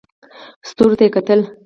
ستورو ته یې کتل.